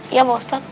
iya pak ustadz